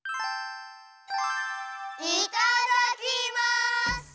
いただきます！